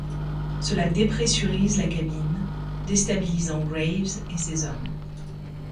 Cela dépressurise la cabine, déstabilisant Graves et ses hommes.